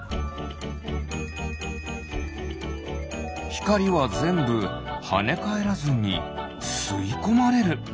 ひかりはぜんぶはねかえらずにすいこまれる。